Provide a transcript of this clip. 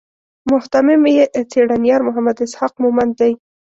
مهتمم یې څېړنیار محمد اسحاق مومند دی.